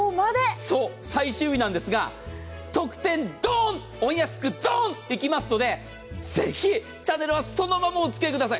最終日なんですが、特典ドン、お安くドーンできますので、ぜひチャンネルはそのままおつけください。